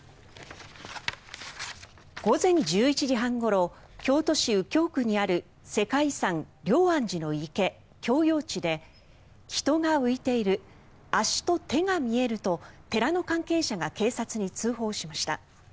午前１１時半ごろ京都市右京区にある世界遺産・龍安寺の池、鏡容池で人が浮いている足と手が見えると寺の関係者が警察に通報しました。